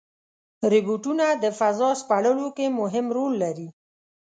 روبوټونه د فضا سپړلو کې مهم رول لري.